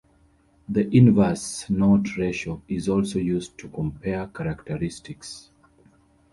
The inverse, knot ratio, is also used to compare characteristics.